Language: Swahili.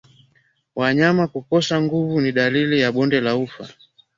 Wanyama kukosa nguvu ni dalili ya bonde la ufa